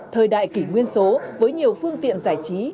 thời đại kỷ nguyên số với nhiều phương tiện giải trí